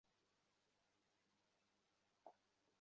জেলে পাঠাবো আপনাকে।